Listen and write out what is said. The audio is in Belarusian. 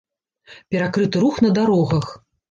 Перакрыты рух на дарогах.